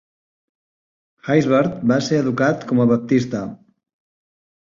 Haysbert va ser educat com a Baptista.